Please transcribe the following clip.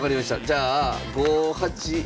じゃあ５八あっ。